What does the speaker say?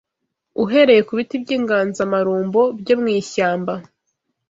uhereye ku biti by’inganzamarumbo byo mu ishyamba